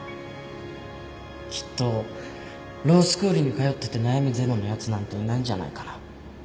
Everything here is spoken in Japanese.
きっとロースクールに通ってて悩みゼロのやつなんていないんじゃないかな。